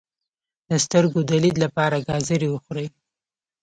د سترګو د لید لپاره ګازرې وخورئ